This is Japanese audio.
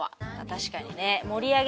確かにね。